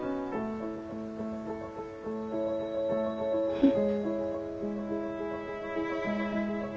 うん。